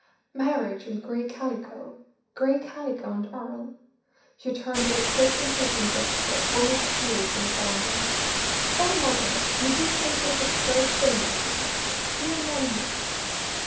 "Marriage and gray calico! gray calico and Earle!" She turned with a quick, impatient gesture, almost fierce in its anger. "Oh, mother! you do say such absurd things," she said; "you annoy me."